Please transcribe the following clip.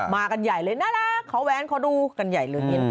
มากันใหญ่เลยน่ารักขอแว้นขอกันใหญ่ไปซึ้ง